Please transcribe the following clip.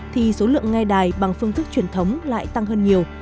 thì số lượng nghe đài bằng phương thức truyền thống lại tăng hơn nhiều